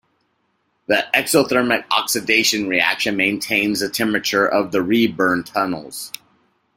The exothermic oxidation reaction maintains the temperature of the reburn tunnels.